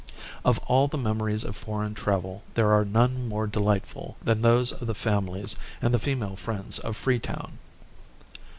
Of all the memories of foreign travel there are none more delightful than those of the families and the female friends of Freetown.